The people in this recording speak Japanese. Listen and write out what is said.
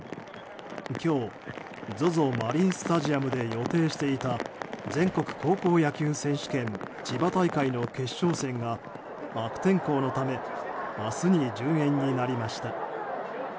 今日ＺＯＺＯマリンスタジアムで予定していた全国高校野球選手権千葉大会の決勝戦が悪天候のため明日に順延になりました。